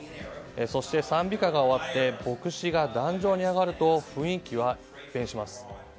そして讃美歌が終わって牧師が壇上に上がると雰囲気は一変します。